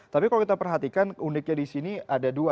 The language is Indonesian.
tapi kalau kita perhatikan uniknya di sini ada dua